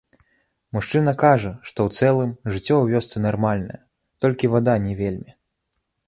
Мужчына кажа, што ў цэлым, жыццё у вёсцы нармальнае, толькі вада не вельмі.